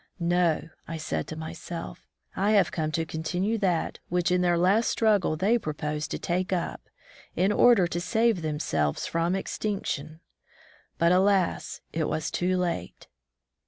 No, I said to myself, I have come to continue that which in their last struggle they pro posed to take up, in order to save themselves from extinction; but alas! it was too late.